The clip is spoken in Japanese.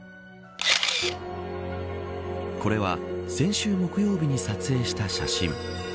これは、先週木曜日に撮影した写真。